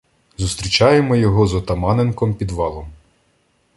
Зустрічаємо його з Отаманенком під валом.